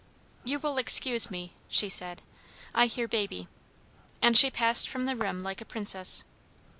"You will excuse me," she said, "I hear baby," and she passed from the room like a princess.